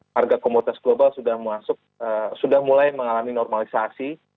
harga komoditas global sudah mulai mengalami normalisasi